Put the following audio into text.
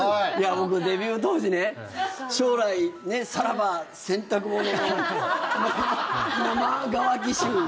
僕、デビュー当時ね、将来さらば洗濯物の生乾き臭。